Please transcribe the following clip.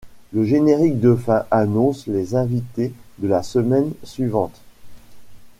Le générique de fin annonce les invités de la semaine suivante.